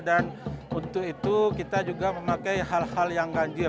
dan untuk itu kita juga memakai hal hal yang ganjil